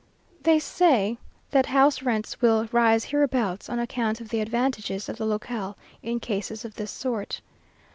They say that house rents will rise hereabouts, on account of the advantages of the locale in cases of this sort.